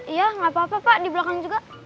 iya gapapa pak di belakang juga